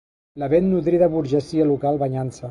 La ben nodrida burgesia local banyant-se